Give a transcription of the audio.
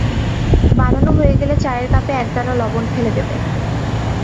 বানানো হয়ে গেলে চায়ের কাপে এক দানা লবণ ফেলে দেবে।